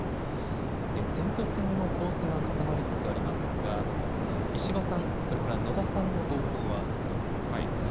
選挙戦の構図が固まりつつありますが石破さん、それから野田さんの動向はどうなっていますか。